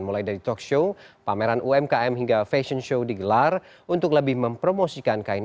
mulai dari talk show pameran umkm hingga fashion show digelar untuk lebih mempromosikan kain